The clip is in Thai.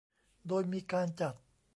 โดยมีการจัด